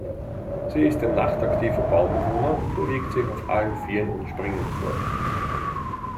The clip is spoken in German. Sie ist ein nachtaktiver Baumbewohner und bewegt sich auf allen vieren und springend fort.